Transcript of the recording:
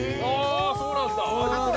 「ああ、そうなんだ！